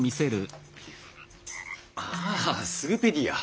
ああスグペディア。